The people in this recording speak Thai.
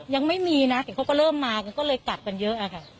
ยังไม่มีนะแต่เขาก็เริ่มมากันก็เลยกลับกันเยอะอะค่ะ